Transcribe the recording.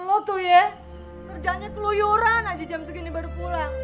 lo tuh ya kerjanya keluyuran aja jam segini baru pulang